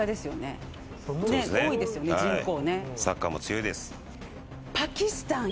サッカーも強いです。